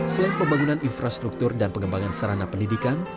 selain pembangunan infrastruktur dan pengembangan sarana pendidikan